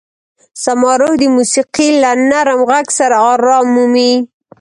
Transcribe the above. زما روح د موسیقۍ له نرم غږ سره ارام مومي.